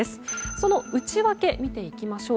その内訳を見ていきましょう。